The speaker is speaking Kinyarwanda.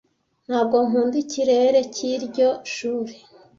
Ntabwo nkunda ikirere cyiryo shuri.